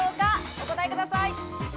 お答えください。